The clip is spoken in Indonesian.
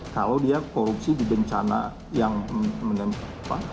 kalau dia korupsi di bencana yang menempel